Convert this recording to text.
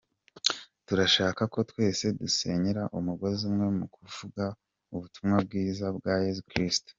Turashaka ko twese dusenyera umugozi umwe mu kuvuga ubutumwa bwiza bwa Yesu Kristo”.